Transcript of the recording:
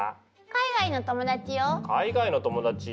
海外の友達？